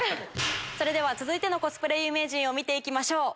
それでは続いてのコスプレ有名人見ていきましょう。